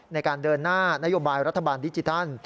ในการเดินหน้านโยบายรัฐบาลดิจิทัล